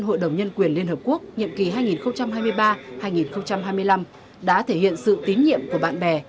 hội đồng nhân quyền liên hợp quốc nhiệm kỳ hai nghìn hai mươi ba hai nghìn hai mươi năm đã thể hiện sự tín nhiệm của bạn bè